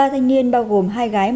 ba thanh niên bao gồm hai gái